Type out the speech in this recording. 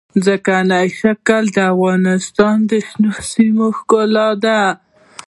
ځمکنی شکل د افغانستان د شنو سیمو ښکلا ده.